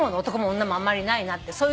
男も女もあんまりないなって。